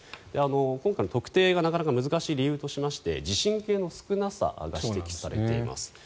今回、特定がなかなか難しい理由としまして地震計の少なさが指摘されています。